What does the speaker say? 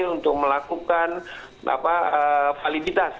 untuk melakukan validitas